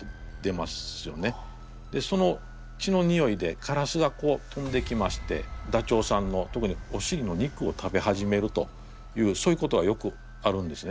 でその血のにおいでカラスがこう飛んできましてダチョウさんの特におしりの肉を食べ始めるというそういうことがよくあるんですね。